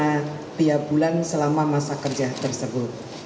setiap bulan selama masa kerja tersebut